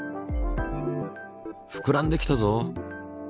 ふくらんできたぞ！